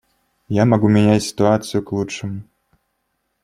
Я могу менять ситуацию к лучшему.